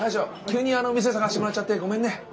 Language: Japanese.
急にお店探してもらっちゃってごめんね。